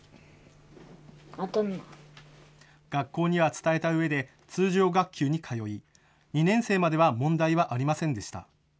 学校には伝えたうえで通常学級に通い２年生までは問題はありませんでした。